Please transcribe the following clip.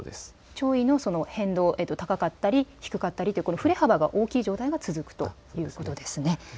潮位の変動、高かったり低かったりという振れ幅が大きい状態が続くということですね。